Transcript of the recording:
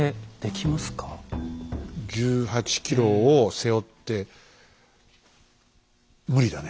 １８ｋｇを背負って無理だね。